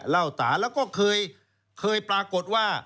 เล่าตาแล้วก็เคยปรากฏว่า